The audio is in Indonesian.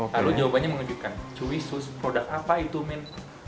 lalu jawabannya mengejutkan chewy sus produk apa itu men